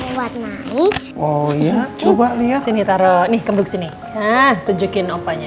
lagi warna oh ya coba lihat sini taruh nih kembali sini ah tunjukin opahnya